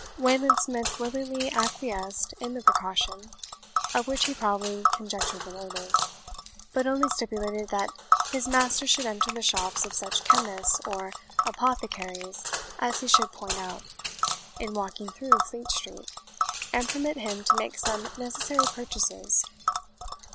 Wayland Smith willingly acquiesced in the precaution, of which he probably conjectured the motive, but only stipulated that his master should enter the shops of such chemists or apothecaries as he should point out, in walking through Fleet Street, and permit him to make some necessary purchases.